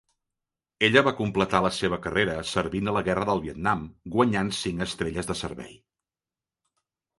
Ella va completar la seva carrera servint a la Guerra del Vietnam, guanyant cinc estrelles de servei.